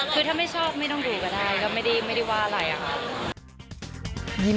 คือถ้าไม่ชอบไม่ต้องดูก็ได้ก็ไม่ได้ว่าอะไรอะค่ะ